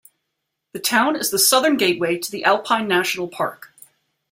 The town is the southern gateway to the Alpine National Park.